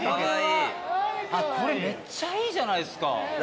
これめっちゃいいじゃないですか。